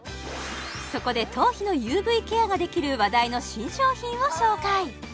そこで頭皮のＵＶケアができる話題の新商品を紹介